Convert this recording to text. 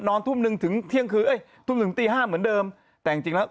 ทุ่มหนึ่งถึงเที่ยงคืนเอ้ยทุ่มถึงตีห้าเหมือนเดิมแต่จริงจริงแล้ว